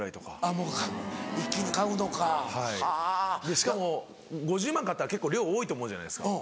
しかも５０万円買ったら結構量多いと思うじゃないですか。